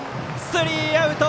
スリーアウト！